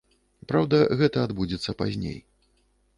Праўда, гэта адбудзецца пазней.